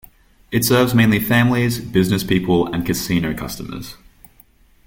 It serves mainly families, business people and casino customers.